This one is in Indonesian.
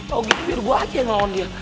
oh gitu biar gue aja yang ngelawan dia